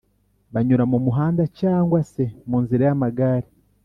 banyura mumuhanda cg se munzira z' amagare